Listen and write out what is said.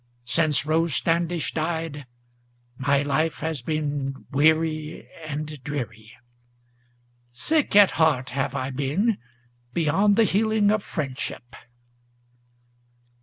Since Rose Standish died, my life has been weary and dreary; Sick at heart have I been, beyond the healing of friendship.